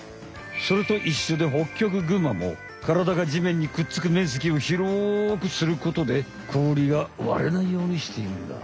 それといっしょでホッキョクグマもカラダがじめんにくっつく面積を広くすることで氷が割れないようにしているんだ。